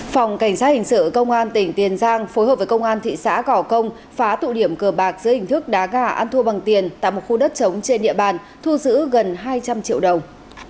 phòng cảnh sát hình sự công an tỉnh tiền giang phối hợp với công an thị xã cỏ công phá tụ điểm cờ bạc giữa hình thức đá gà ăn thua bằng tiền tại một khu đất trống trên địa bàn thu giữ gần hai trăm linh triệu đồng